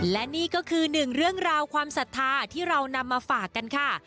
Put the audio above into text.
และนี่ก็คือหนึ่งเรื่องราวความศรัทธาที่เรานำมาฝากกันค่ะ